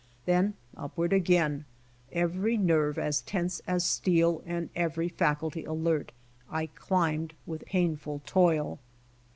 Then upward again, every nerve as tense as steel and every faculty alert, I climbed with painful toil.